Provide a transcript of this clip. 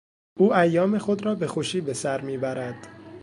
او ایام خود را به خوشی بهسر میبرد.